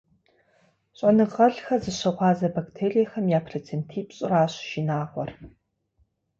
Щӏэныгъэлӏхэр зыщыгъуазэ бактериехэм я процентипщӏыращ шынагъуэр.